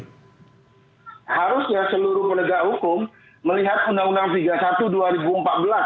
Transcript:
harusnya seluruh penegak hukum melihat undang undang tiga puluh satu dua ribu empat belas